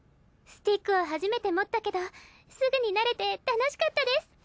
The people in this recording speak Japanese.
スティックを初めて持ったけどすぐに慣れて楽しかったです。